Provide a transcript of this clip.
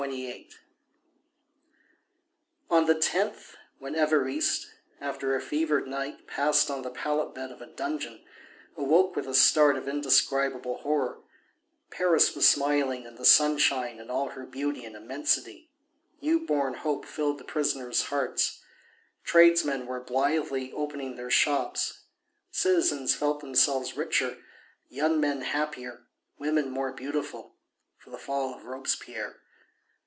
XXVIII On the 10th, when Évariste, after a fevered night passed on the pallet bed of a dungeon, awoke with a start of indescribable horror, Paris was smiling in the sunshine in all her beauty and immensity; new born hope filled the prisoners' hearts; tradesmen were blithely opening their shops, citizens felt themselves richer, young men happier, women more beautiful, for the fall of Robespierre.